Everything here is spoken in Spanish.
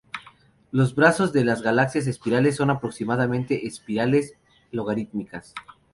Los brazos de las galaxias espirales son aproximadamente espirales logarítmicas.